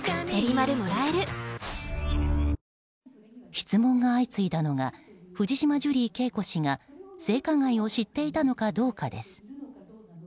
質問が相次いだのが藤島ジュリー景子氏が性加害を知っていたのかどうかです。